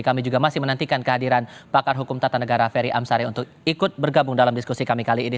kami juga masih menantikan kehadiran pakar hukum tata negara ferry amsari untuk ikut bergabung dalam diskusi kami kali ini